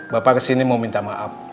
bapak kesini mau minta maaf